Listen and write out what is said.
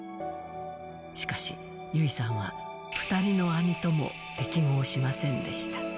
しかし、優生さんは、２人の兄とも適合しませんでした。